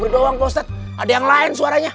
sobri doang pak ustadz ada yang lain suaranya